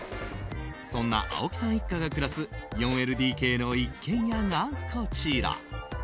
そんな青木さん一家が暮らす４ＬＤＫの一軒家が、こちら。